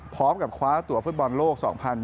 พร้อมกับคว้าตัวฟุตบอลโลก๒๐๒๐